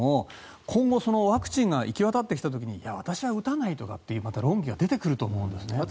今後、ワクチンが行き渡ってきた時に私は打たないとかって論議がまた出てくると思うんですね。